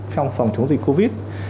trong phòng chống dịch covid